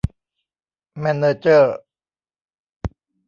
แมนเนอร์เจอร์